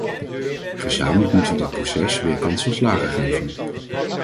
Gezamenlijk moeten we dit proces weer kans van slagen geven.